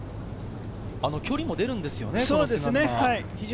距離も出るんですよね、菅沼は。